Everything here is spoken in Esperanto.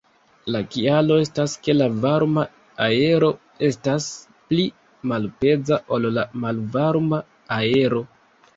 La kialo estas ke la varma aero estas pli malpeza ol la malvarma aero.